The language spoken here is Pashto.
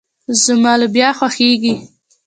زما لوبيا خوښيږي.